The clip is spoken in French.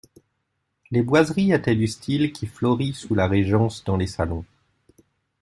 Les boiseries étaient du style qui florit sous la Régence, dans les salons.